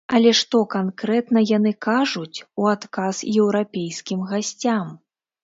Але што канкрэтна яны кажуць у адказ еўрапейскім гасцям?